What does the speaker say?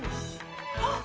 あっ！